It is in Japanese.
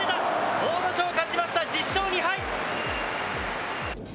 阿武咲勝ちました、１０勝２敗。